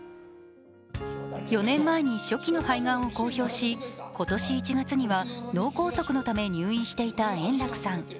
４年前に初期の肺がんを公表し今年１月には脳梗塞のため入院していた円楽さん。